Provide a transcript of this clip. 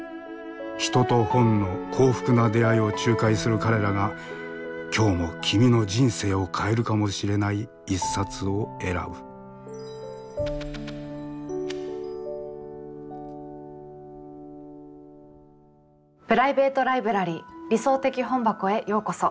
人と本の幸福な出会いを仲介する彼らが今日も君の人生を変えるかもしれない一冊を選ぶプライベート・ライブラリー「理想的本箱」へようこそ。